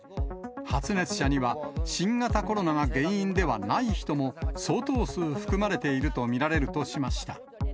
発熱者には新型コロナが原因ではない人も、相当数含まれていると見られるとしました。